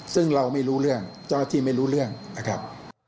ซึ่งเราไม่รู้เรื่องเจ้าหน้าที่ไม่รู้เรื่องนะครับ